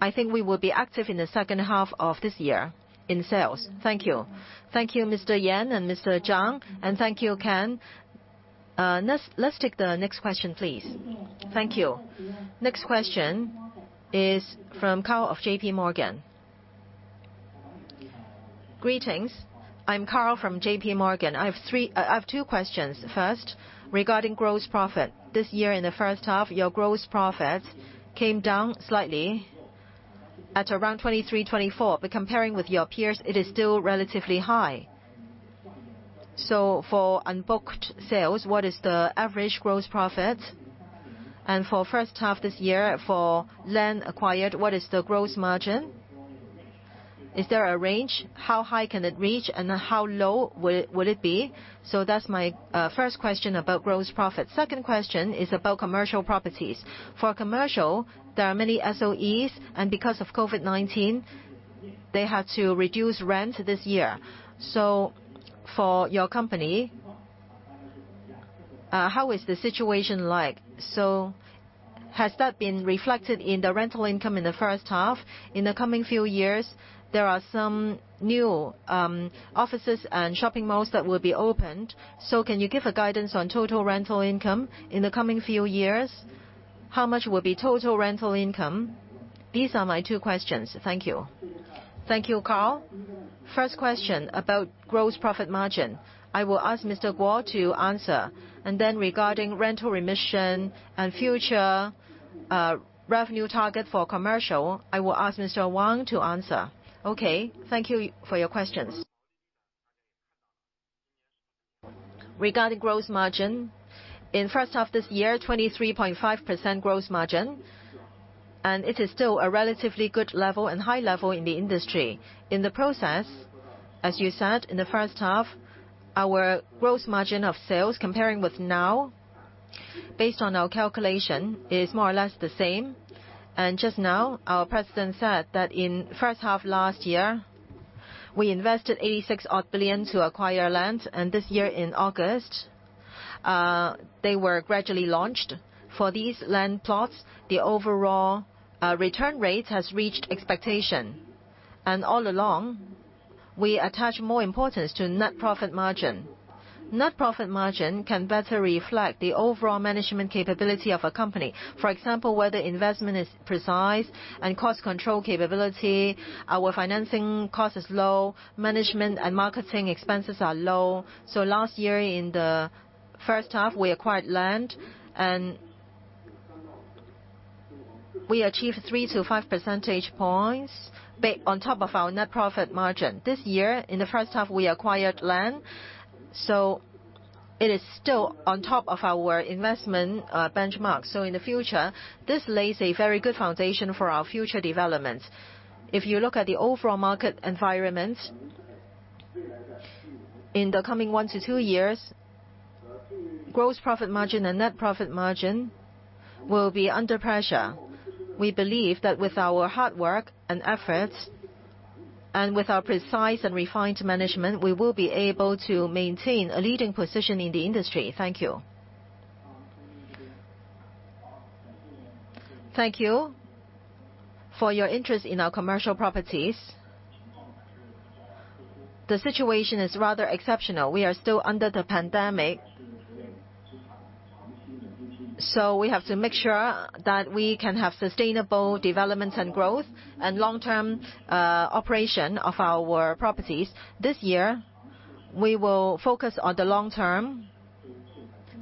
I think we will be active in the second half of this year in sales. Thank you. Thank you, Mr. Yan and Mr. Zhang, and thank you, Ken. Let's take the next question, please. Thank you. Next question is from Karl of JPMorgan. Greetings. I'm Karl from JPMorgan. I have two questions. First, regarding gross profit. This year in the first half, your gross profit came down slightly at around 23%-24%, but comparing with your peers, it is still relatively high. For unbooked sales, what is the average gross profit? And for first half this year, for land acquired, what is the gross margin? Is there a range? How high can it reach and how low would it be? That's my first question about gross profit. Second question is about commercial properties. For commercial, there are many SOEs, and because of COVID-19, they had to reduce rent this year. For your company, how is the situation like? Has that been reflected in the rental income in the first half? In the coming few years, there are some new offices and shopping malls that will be opened. Can you give a guidance on total rental income in the coming few years? How much will be total rental income? These are my two questions. Thank you. Thank you, Karl. First question, about gross profit margin. I will ask Mr. Guo to answer. Then regarding rental remission and future revenue target for commercial, I will ask Mr. Wang to answer. Okay. Thank you for your questions. Regarding gross margin, in first half this year, 23.5% gross margin, and it is still a relatively good level and high level in the industry. In the process, as you said, in the first half, our gross margin of sales comparing with now, based on our calculation, is more or less the same. Just now, our president said that in first half last year, we invested 86 billion to acquire land, and this year in August, they were gradually launched. For these land plots, the overall return rate has reached expectation. All along, we attach more importance to net profit margin. Net profit margin can better reflect the overall management capability of a company. For example, whether investment is precise and cost control capability, our financing cost is low, management and marketing expenses are low. Last year in the first half, we acquired land and we achieved 3-5 percentage points on top of our net profit margin. This year in the first half, we acquired land, so it is still on top of our investment benchmark. In the future, this lays a very good foundation for our future development. If you look at the overall market environment, in the coming one-two years, gross profit margin and net profit margin will be under pressure. We believe that with our hard work and efforts, and with our precise and refined management, we will be able to maintain a leading position in the industry. Thank you. Thank you for your interest in our commercial properties. The situation is rather exceptional. We are still under the pandemic. We have to make sure that we can have sustainable development and growth and long-term operation of our properties. This year, we will focus on the long term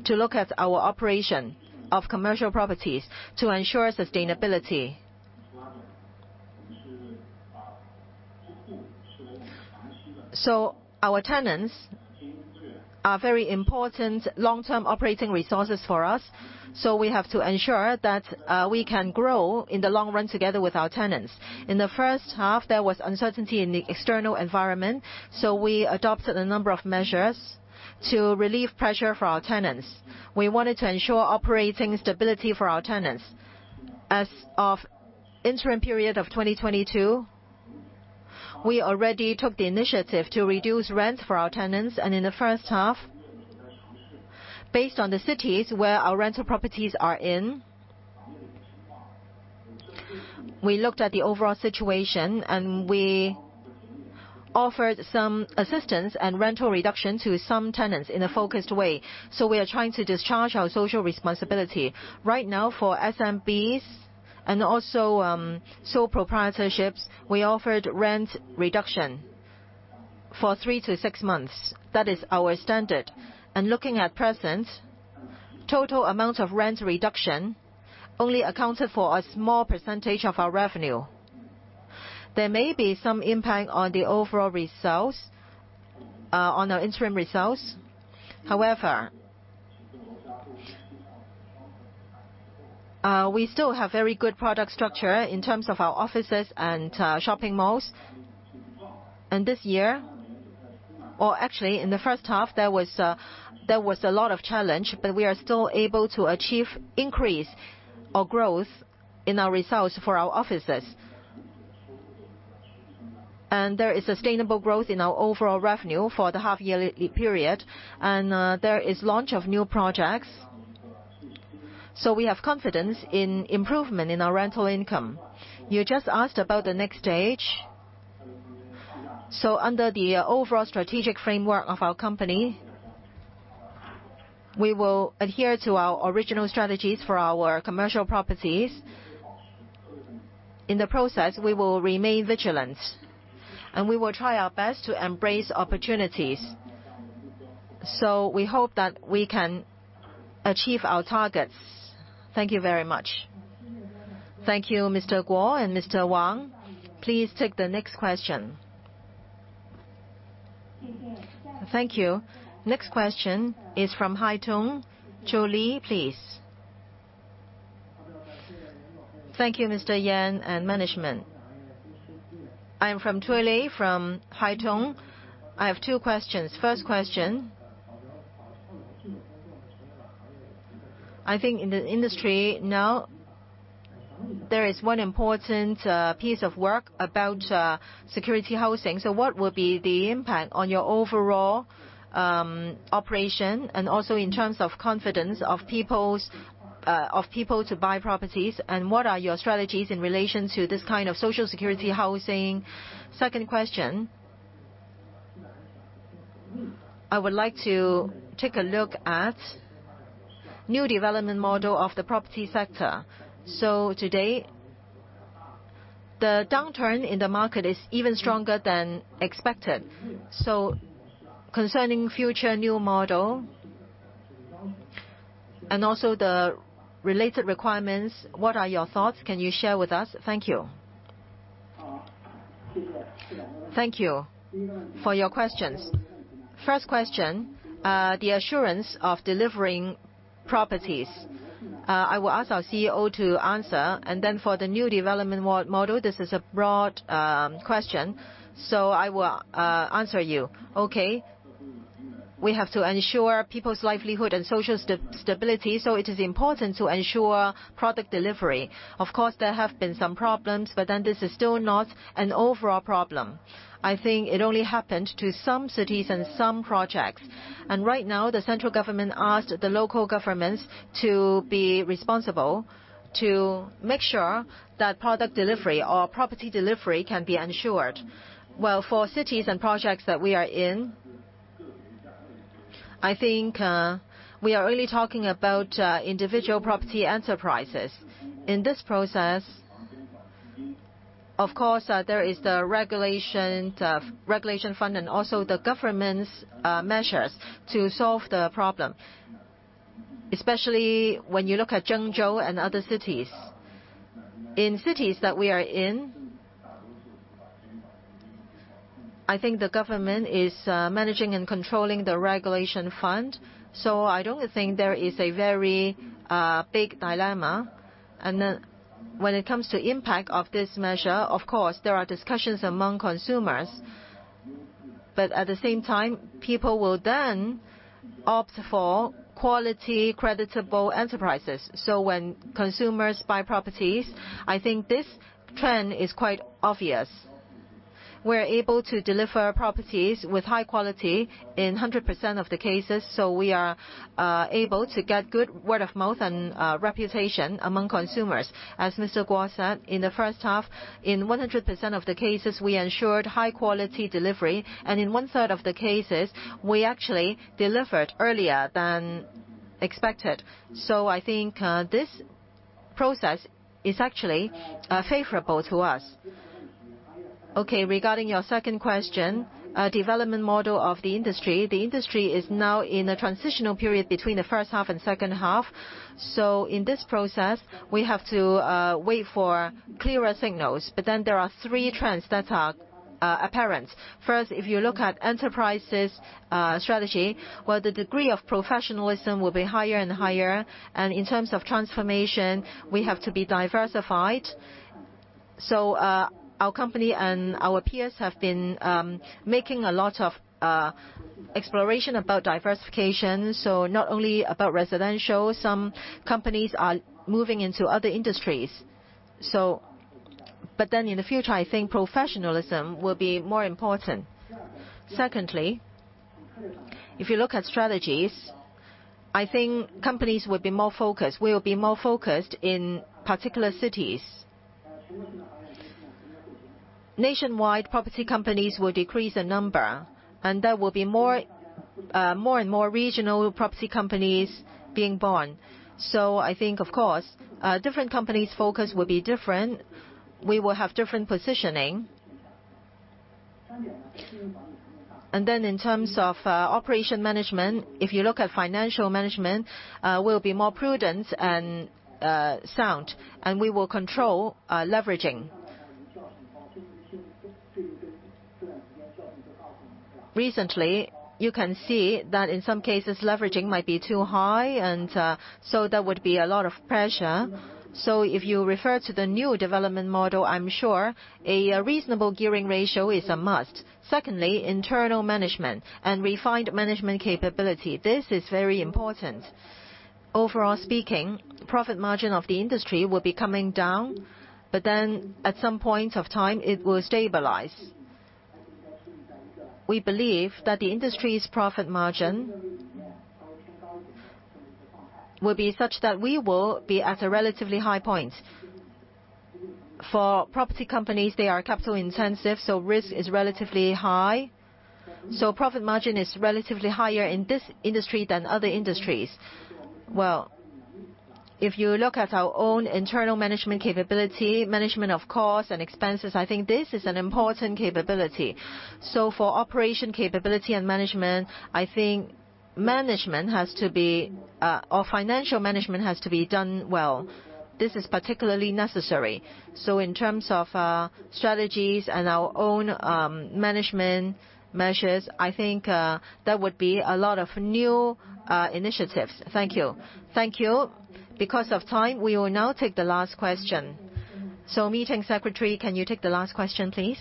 to look at our operation of commercial properties to ensure sustainability. Our tenants are very important long-term operating resources for us, so we have to ensure that we can grow in the long run together with our tenants. In the first half, there was uncertainty in the external environment, so we adopted a number of measures to relieve pressure for our tenants. We wanted to ensure operating stability for our tenants. As of interim period of 2022, we already took the initiative to reduce rent for our tenants. In the first half, based on the cities where our rental properties are in, we looked at the overall situation, and we offered some assistance and rental reduction to some tenants in a focused way. We are trying to discharge our social responsibility. Right now for SMBs and also, sole proprietorships, we offered rent reduction for three to six months. That is our standard. Looking at present, total amount of rent reduction only accounted for a small percentage of our revenue. There may be some impact on the overall results, on our interim results. However, we still have very good product structure in terms of our offices and, shopping malls. This year- Actually, in the first half, there was a lot of challenge, but we are still able to achieve increase or growth in our results for our offices. There is sustainable growth in our overall revenue for the half-yearly period, and there is launch of new projects. We have confidence in improvement in our rental income. You just asked about the next stage. Under the overall strategic framework of our company, we will adhere to our original strategies for our commercial properties. In the process, we will remain vigilant, and we will try our best to embrace opportunities. We hope that we can achieve our targets. Thank you very much. Thank you, Mr. Guo and Mr. Wang. Please take the next question. Thank you. Next question is from Haitong, Zhou Li, please. Thank you, Mr. Yan and management. I am Zhou Li from Haitong. I have two questions. First question, I think in the industry now, there is one important piece of work about security housing. What will be the impact on your overall operation, and also in terms of confidence of people to buy properties, and what are your strategies in relation to this kind of social security housing? Second question, I would like to take a look at new development model of the property sector. Today, the downturn in the market is even stronger than expected. Concerning future new model and also the related requirements, what are your thoughts? Can you share with us? Thank you. Thank you for your questions. First question, the assurance of delivering properties. I will ask our CEO to answer. For the new development model, this is a broad question, so I will answer you. Okay. We have to ensure people's livelihood and social stability, so it is important to ensure product delivery. Of course, there have been some problems, but this is still not an overall problem. I think it only happened to some cities and some projects. Right now, the central government asked the local governments to be responsible, to make sure that product delivery or property delivery can be ensured. Well, for cities and projects that we are in, I think we are only talking about individual property enterprises. In this process, of course, there is the regulation, the regulation fund and also the government's measures to solve the problem, especially when you look at Zhengzhou and other cities. In cities that we are in, I think the government is managing and controlling the regulation fund. I don't think there is a very big dilemma. When it comes to impact of this measure, of course, there are discussions among consumers. At the same time, people will then opt for quality, credible enterprises. When consumers buy properties, I think this trend is quite obvious. We're able to deliver properties with high quality in 100% of the cases, so we are able to get good word-of-mouth and reputation among consumers. As Mr. Guo said, in the first half, in 100% of the cases, we ensured high quality delivery. In one-third of the cases, we actually delivered earlier than expected. I think this process is actually favorable to us. Okay. Regarding your second question, development model of the industry. The industry is now in a transitional period between the first half and second half. In this process, we have to wait for clearer signals. There are three trends that are apparent. First, if you look at enterprises' strategy, where the degree of professionalism will be higher and higher, and in terms of transformation, we have to be diversified. Our company and our peers have been making a lot of exploration about diversification, so not only about residential. Some companies are moving into other industries. In the future, I think professionalism will be more important. Secondly, if you look at strategies, I think companies will be more focused. We'll be more focused in particular cities. Nationwide, property companies will decrease in number, and there will be more and more regional property companies being born. I think, of course, different companies' focus will be different. We will have different positioning. In terms of operation management, if you look at financial management, we'll be more prudent and sound, and we will control leveraging. Recently, you can see that in some cases, leveraging might be too high, and so there would be a lot of pressure. If you refer to the new development model, I'm sure a reasonable gearing ratio is a must. Secondly, internal management and refined management capability. This is very important. Overall speaking, profit margin of the industry will be coming down, but then at some point of time, it will stabilize. We believe that the industry's profit margin will be such that we will be at a relatively high point. For property companies, they are capital-intensive, so risk is relatively high, so profit margin is relatively higher in this industry than other industries. Well, if you look at our own internal management capability, management of cost and expenses, I think this is an important capability. For operation capability and management, I think management has to be, or financial management has to be done well. This is particularly necessary. In terms of, strategies and our own, management measures, I think, there would be a lot of new, initiatives. Thank you. Thank you. Because of time, we will now take the last question. meeting secretary, can you take the last question, please?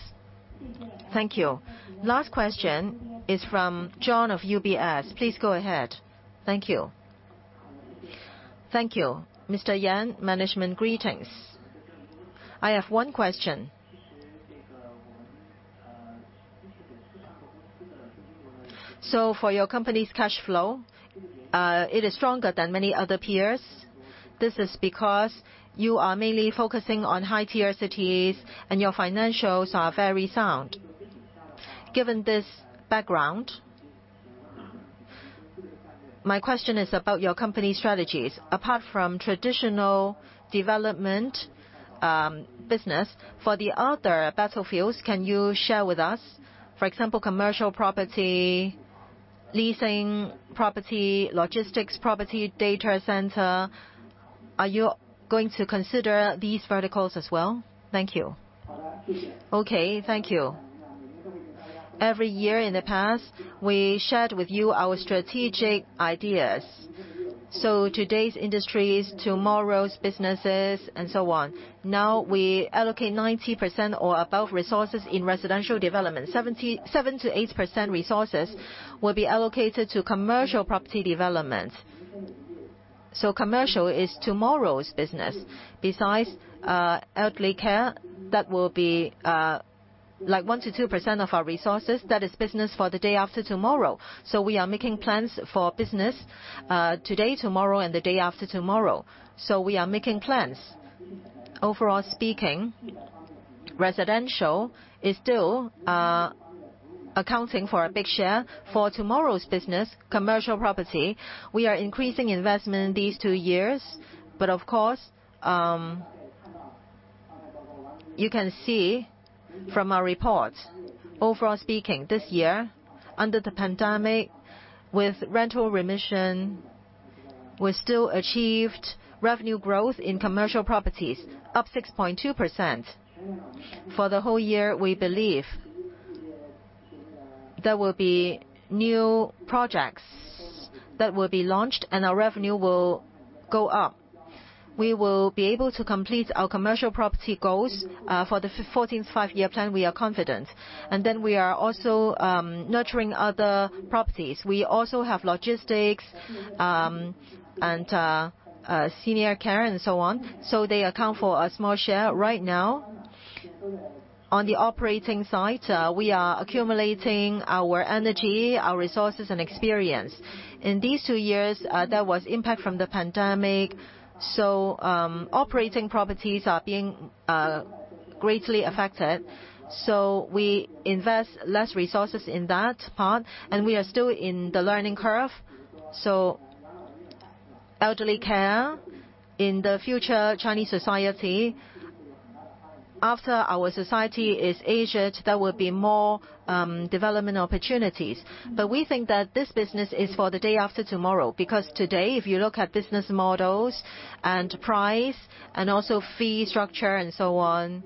Thank you. Last question is from John of UBS. Please go ahead. Thank you. Thank you. Mr. Yan, management, greetings. I have one question. For your company's cash flow, it is stronger than many other peers. This is because you are mainly focusing on high-tier cities, and your financials are very sound. Given this background, my question is about your company's strategies. Apart from traditional development, business, for the other battlefields, can you share with us, for example, commercial property, leasing property, logistics property, data center? Are you going to consider these verticals as well? Thank you. Okay, thank you. Every year in the past, we shared with you our strategic ideas, today's industries, tomorrow's businesses, and so on. Now, we allocate 90% or above resources in residential development. 7%-8% resources will be allocated to commercial property development, so commercial is tomorrow's business. Besides, elderly care, that will be, like 1%-2% of our resources. That is business for the day after tomorrow. We are making plans for business, today, tomorrow, and the day after tomorrow. We are making plans. Overall speaking, residential is still accounting for a big share. For tomorrow's business, commercial property, we are increasing investment these two years. Of course, you can see from our report, overall speaking, this year, under the pandemic, with rental remission, we still achieved revenue growth in commercial properties, up 6.2%. For the whole year, we believe there will be new projects that will be launched, and our revenue will go up. We will be able to complete our commercial property goals, for the 14th Five-Year Plan, we are confident. Then we are also nurturing other properties. We also have logistics, and senior care and so on, so they account for a small share right now. On the operating side, we are accumulating our energy, our resources, and experience. In these two years, there was impact from the pandemic, so operating properties are being greatly affected. We invest less resources in that part, and we are still in the learning curve. Elderly care in the future Chinese society, after our society is aged, there will be more development opportunities. We think that this business is for the day after tomorrow. Because today, if you look at business models and price and also fee structure and so on,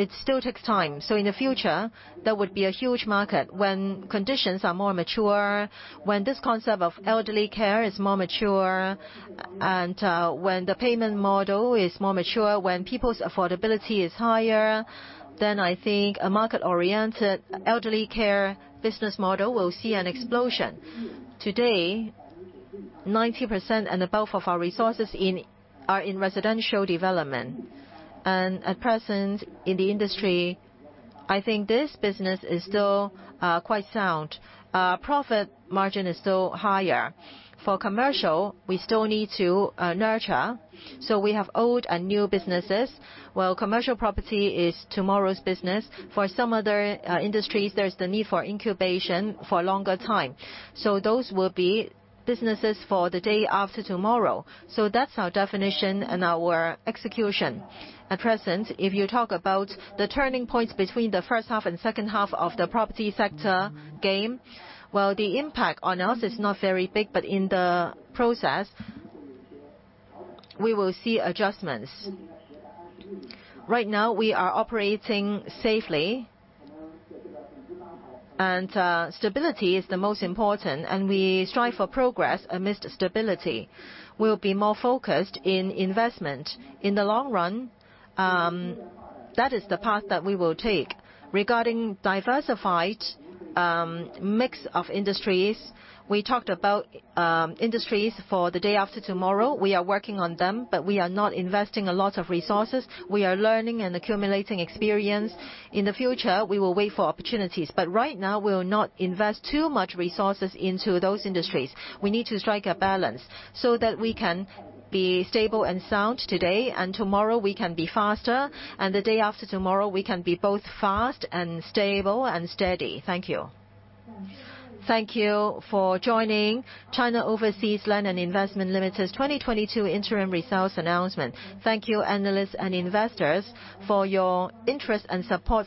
it still takes time. In the future, there would be a huge market when conditions are more mature, when this concept of elderly care is more mature, and when the payment model is more mature, when people's affordability is higher, then I think a market-oriented elderly care business model will see an explosion. Today, 90% and above of our resources are in residential development. At present in the industry, I think this business is still quite sound. Our profit margin is still higher. For commercial, we still need to nurture. We have old and new businesses. While commercial property is tomorrow's business, for some other industries, there's the need for incubation for longer time. Those will be businesses for the day after tomorrow. That's our definition and our execution. At present, if you talk about the turning points between the first half and second half of the property sector game, while the impact on us is not very big, but in the process, we will see adjustments. Right now, we are operating safely, and stability is the most important, and we strive for progress amidst stability. We'll be more focused in investment. In the long run, that is the path that we will take. Regarding diversified mix of industries, we talked about industries for the day after tomorrow. We are working on them, but we are not investing a lot of resources. We are learning and accumulating experience. In the future, we will wait for opportunities. But right now, we will not invest too much resources into those industries. We need to strike a balance, so that we can be stable and sound today, and tomorrow, we can be faster, and the day after tomorrow, we can be both fast and stable and steady. Thank you. Thank you for joining China Overseas Land & Investment Limited's 2022 Interim Results Announcement. Thank you, analysts and investors for your interest and support.